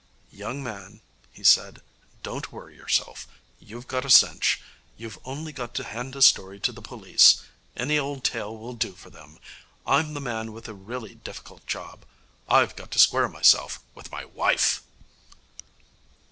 'Young man,' he said, 'don't worry yourself. You've got a cinch. You've only got to hand a story to the police. Any old tale will do for them. I'm the man with the really difficult job I've got to square myself with my wife!'